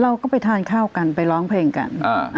เราก็ไปทานข้าวกันไปร้องเพลงกัน